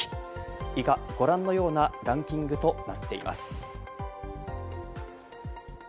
以下、ご覧のようなランキングとなっています。